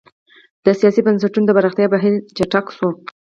د سیاسي بنسټونو د پراختیا بهیر چټک شوی و.